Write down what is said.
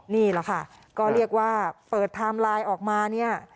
นี่แหละค่ะก็เรียกว่าเปิดไทม์ไลน์ออกมาเนี่ย